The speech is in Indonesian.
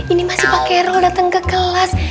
ini masih pakai roll dateng ke kelas